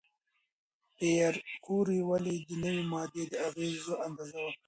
پېیر کوري ولې د نوې ماده د اغېزو اندازه وکړه؟